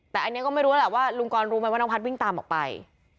แต่อันนี้ก็ไม่รู้แหละว่าลุงกรรู้ไหมว่าน้องพัฒน์วิ่งตามออกไป